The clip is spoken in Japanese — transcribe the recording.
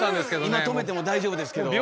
今とめても大丈夫ですけど。